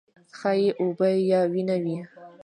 ښايي اوبه یا وینه وي.